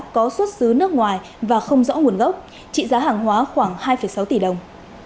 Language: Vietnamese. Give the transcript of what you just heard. có xuất xứ nước ngoài và không rõ nguồn gốc trị giá hàng hóa khoảng hai sáu tỷ đồng